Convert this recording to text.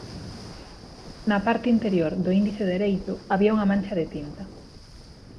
Na parte interior do índice dereito había unha mancha de tinta.